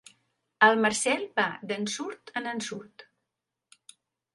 El Marcel va d'ensurt en ensurt.